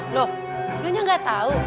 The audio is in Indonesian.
loh dia gak tau